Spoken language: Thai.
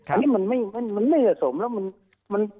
อันนี้มันไม่เหนื่อยสมแล้ว